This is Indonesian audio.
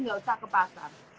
tidak usah ke pasar